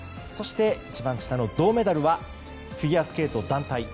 そして、一番下の銅メダルはフィギュアスケート団体。